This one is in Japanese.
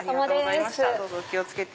どうぞお気を付けて。